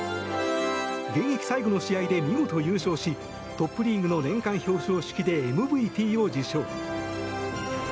現役最後の試合で見事優勝しトップリーグの年間表彰式でＭＶＰを受賞。